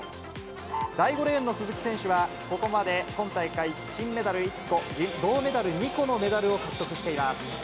第５レーンの鈴木選手は、ここまで今大会金メダル１個、銅メダル２個のメダルを獲得しています。